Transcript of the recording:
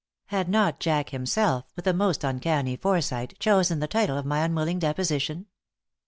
Had not Jack himself, with a most uncanny foresight, chosen the title of my unwilling deposition?